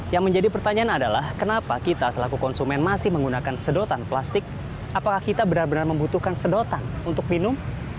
yang menjadi pertanyaan adalah kenapa kita selaku konsumen masih menggunakan sedotan plastik apakah kita benar benar membutuhkan sedotan untuk minum